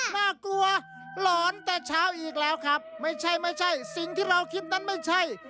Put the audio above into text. น่ากลัวหลอนแต่เช้าอีกแล้วครับไม่ใช่ไม่ใช่สิ่งที่เราคิดนั้นไม่ใช่